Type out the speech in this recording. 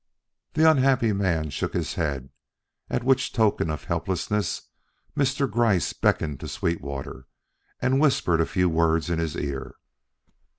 The unhappy man shook his head, at which token of helplessness Mr. Gryce beckoned to Sweetwater and whispered a few words in his ear.